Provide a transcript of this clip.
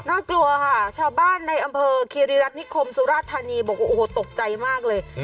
กลัวค่ะชาวบ้านในอำเภอคีริรัฐนิคมสุราธานีบอกว่าโอ้โหตกใจมากเลย